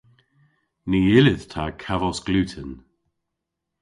Ny yllydh ta kavos gluten.